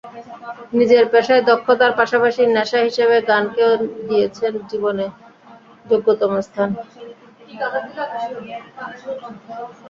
নিজের পেশায় দক্ষতার পাশাপাশি নেশা হিসেবে গানকেও দিয়েছেন জীবনে যোগ্যতম স্থান।